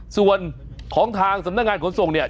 ส่วนของทางสำนักงานขนส่งเนี่ย